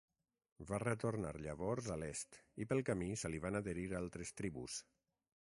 Va retornar llavors a l'est i pel camí se li van adherir altres tribus.